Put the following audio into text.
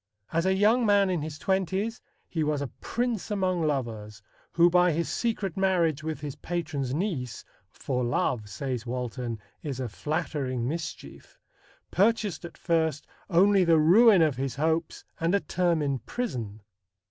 As a young man in his twenties, he was a prince among lovers, who by his secret marriage with his patron's niece "for love," says Walton, "is a flattering mischief" purchased at first only the ruin of his hopes and a term in prison.